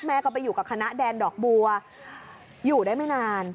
แม่ก็ไปอยู่กับคณะแดนดอกบัวอยู่ได้ไม่นาน